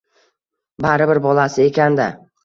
Baribir bolasi ekanda